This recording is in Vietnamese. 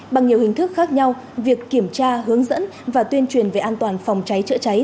bằng nhiều hình thức khác nhau việc kiểm tra hướng dẫn và tuyên truyền về an toàn phòng cháy chữa cháy